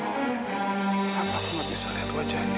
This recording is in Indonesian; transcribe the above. apakah aku gak bisa lihat wajahnya